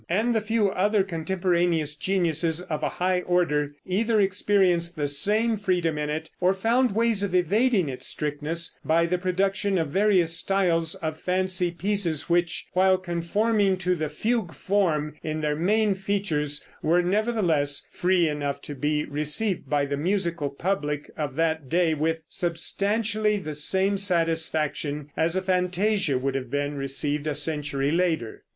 And the few other contemporaneous geniuses of a high order either experienced the same freedom in it, or found ways of evading its strictness by the production of various styles of fancy pieces, which, while conforming to the fugue form in their main features, were nevertheless free enough to be received by the musical public of that day with substantially the same satisfaction as a fantasia would have been received a century later.